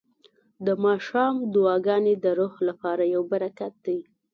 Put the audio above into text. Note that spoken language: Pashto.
د ماښام دعاګانې د روح لپاره یو برکت دی.